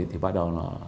thì bắt đầu nó